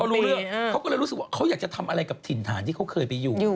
รู้เรื่องเขาก็เลยรู้สึกว่าเขาอยากจะทำอะไรกับถิ่นฐานที่เขาเคยไปอยู่